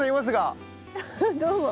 どうも。